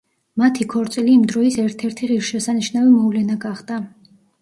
მათი ქორწილი იმ დროის ერთ-ერთი ღირსშესანიშნავი მოვლენა გახდა.